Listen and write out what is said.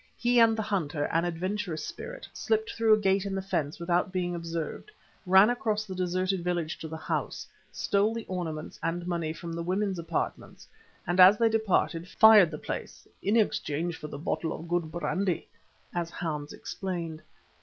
He and the hunter, an adventurous spirit, slipped through a gate in the fence without being observed, ran across the deserted village to the house, stole the ornaments and money from the women's apartments and as they departed, fired the place "in exchange for the bottle of good brandy," as Hans explained.